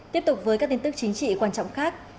tiếp tục với các tin tức chính trị quan trọng khác